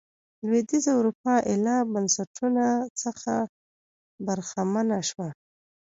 لوېدیځه اروپا ایله بنسټونو څخه برخمنه شوه.